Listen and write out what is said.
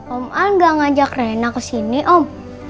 om an gak ngajak rena kesini om